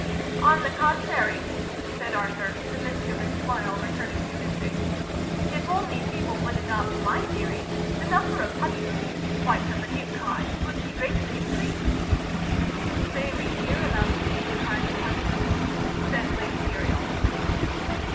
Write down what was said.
" On the contrary," said Arthur, the mis chievous smile returning to his face, " if only people would adopt my theory, the number of honeymoons quite of a new kind would be greatly increased !"" May we hear about this new kind of honeymoon ?" said Lady Muriel.